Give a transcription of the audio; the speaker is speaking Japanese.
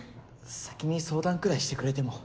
先に相談くらいしてくれても。